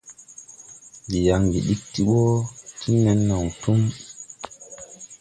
Ndi yaŋ ɓi ɗiggi ti ɓɔ nen naw tum.